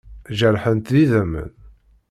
Jerḥent d idammen.